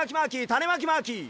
たねまきマーキー！